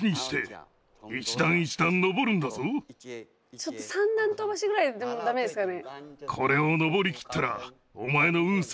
ちょっと３段飛ばしぐらいでもダメですかね？